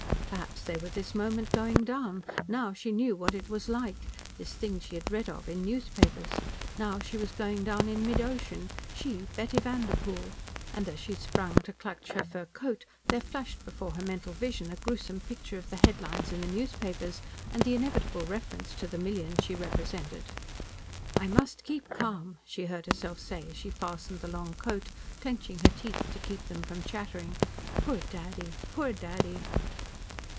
Perhaps they were this moment going down. Now she knew what it was like! This thing she had read of in newspapers! Now she was going down in mid ocean, she, Betty Vanderpoel! And, as she sprang to clutch her fur coat, there flashed before her mental vision a gruesome picture of the headlines in the newspapers and the inevitable reference to the millions she represented. "I must keep calm," she heard herself say, as she fastened the long coat, clenching her teeth to keep them from chattering. "Poor Daddy poor Daddy!"